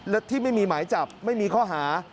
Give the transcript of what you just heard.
และที่ไม่มีหมายจับไม่มีข้อหา